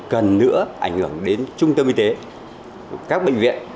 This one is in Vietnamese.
cần nữa ảnh hưởng đến trung tâm y tế các bệnh viện